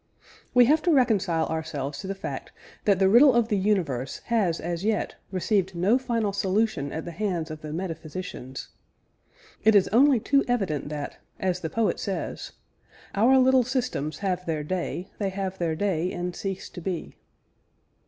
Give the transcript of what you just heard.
We have to reconcile ourselves to the fact that the riddle of the universe has as yet received no final solution at the hands of the metaphysicians. It is only too evident that, as the poet says: "Our little systems have their day, They have their day, and cease to be."